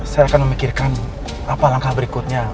saya akan memikirkan apa langkah berikutnya